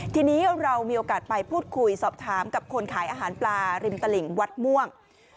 ทีนี้เรามีโอกาสไปพูดคุยสอบถามกับคนขายอาหารปลาริมตลิ่งวัดม่วง